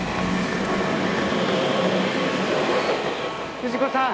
藤子さん。